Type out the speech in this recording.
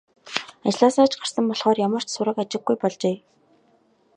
Ажлаасаа ч гарсан болохоор ямар ч сураг ажиггүй болжээ.